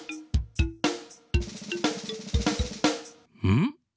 ん？